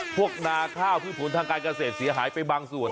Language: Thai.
ผวกนาข้าวผู้สูญธุรกิจกระเศษเสียหายไปบางส่วน